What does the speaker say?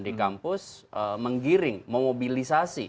di kampus menggiring memobilisasi